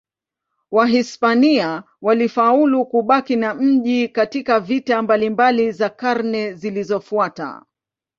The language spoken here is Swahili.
Wahispania walifaulu kubaki na mji katika vita mbalimbali za karne zilizofuata.